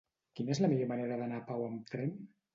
Quina és la millor manera d'anar a Pau amb tren?